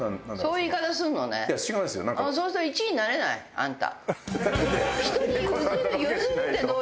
そうすると１位になれないあんた。